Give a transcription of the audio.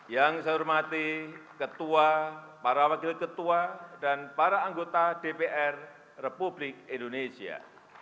yang saya hormati ketua para wakil ketua dan para anggota dpr republik indonesia